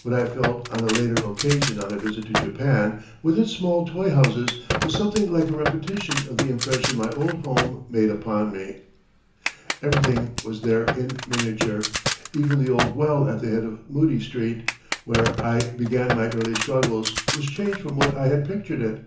What I felt on a later occasion on a visit to Japan, with its small toy houses, was something like a repetition of the impression my old home made upon me. Everything was there in miniature. Even the old well at the head of Moodie Street, where I began my early struggles, was changed from what I had pictured it.